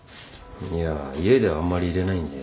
いや家ではあんまり入れないんで。